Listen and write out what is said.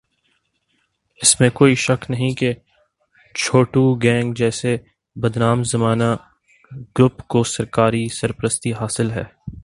اس میں کوئ شک نہیں کہ چھوٹو گینگ جیسے بدنام زمانہ گروپس کو سرکاری سرپرستی حاصل ہے